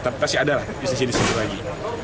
tapi pasti ada lah justisi di situ lagi